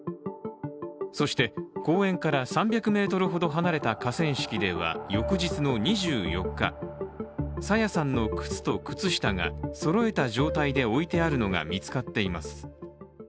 そして公園から３００ｍほど離れた河川敷では翌日の２４日、朝芽さんの靴と靴下がそろえた状態で置いてあるのが見つかっています。